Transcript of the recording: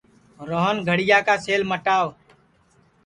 روہن گھڑِیا کا سیل مٹاوَ